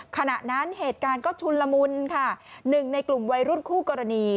ขณะนั้นเหตุการณ์ก็ชุนละมุนค่ะหนึ่งในกลุ่มวัยรุ่นคู่กรณี